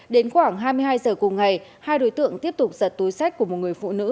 đến khoảng hai mươi hai giờ cùng ngày hai đối tượng tiếp tục giật túi sách của một người phụ nữ